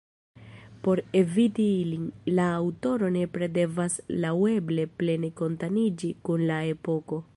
Por eviti ilin, la aŭtoro nepre devas laŭeble plene konatiĝi kun la epoko.